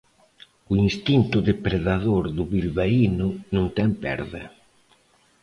O instinto depredador do bilbaíno non ten perda.